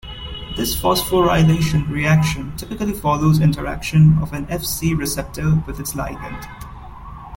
This phosphorylation reaction typically follows interaction of an Fc receptor with its ligand.